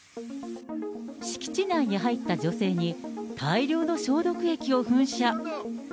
敷地内に入った女性に、大量の消毒液を噴射。